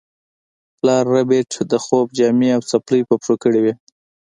پلار ربیټ د خوب جامې او څپلۍ په پښو کړې وې